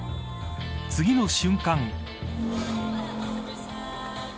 次の瞬間。